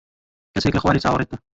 کەسێک لە خوارێ چاوەڕێتە.